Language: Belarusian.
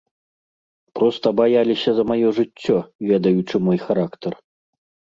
Проста баяліся за маё жыццё, ведаючы мой характар.